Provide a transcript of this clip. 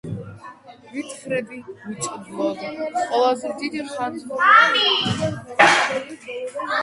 ვირთხები უწყლოდ ყველაზე დიდ ხანს ძლებენ